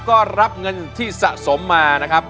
ก็รับเงินที่สะสมมานะครับ